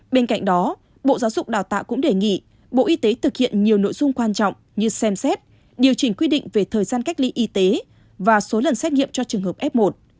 bên cạnh đó bộ giáo dục đào tạo cũng đề nghị bộ y tế thực hiện nhiều nội dung quan trọng như xem xét điều chỉnh quy định về thời gian cách ly y tế và số lần xét nghiệm cho trường hợp f một